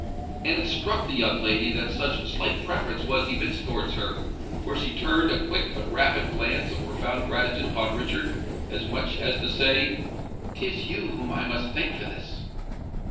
And it struck the young lady that such slight preference was evinced towards her; for she turned a quick but rapid glance of profound gratitude upon Richard, as much as to say, "'Tis you whom I must thank for this!"